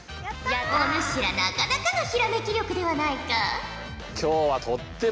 お主らなかなかのひらめき力ではないか。